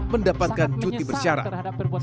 mendapatkan cuti bersyarat